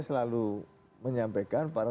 selalu menyampaikan para